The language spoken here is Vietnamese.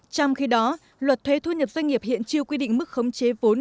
trong khi đó luật thuế thu nhập doanh nghiệp hiện chưa quy định mức khống chế vốn